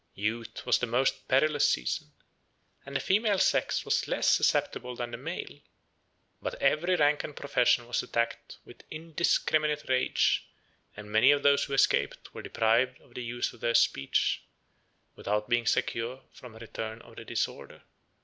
Youth was the most perilous season; and the female sex was less susceptible than the male: but every rank and profession was attacked with indiscriminate rage, and many of those who escaped were deprived of the use of their speech, without being secure from a return of the disorder.